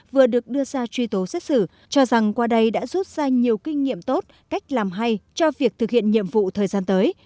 vừa được đưa ra truy tố xét xử cho rằng qua đây đã rút ra nhiều kinh nghiệm tốt cách làm hay cho việc thực hiện nhiệm vụ thời gian tới